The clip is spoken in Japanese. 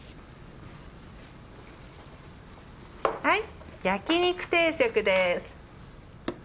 はい焼肉定食です。